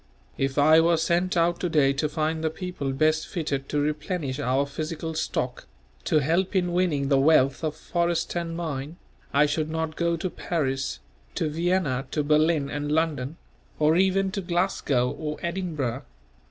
If I were sent out to day to find the people best fitted to replenish our physical stock, to help in winning the wealth of forest and mine, I should not go to Paris, to Vienna, to Berlin and London; or even to Glasgow or Edinburgh.